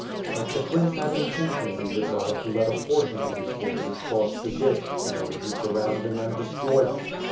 But the prince had intentionally resolved to let a portion of his forces cross the ditch, in order to surround them and destroy them.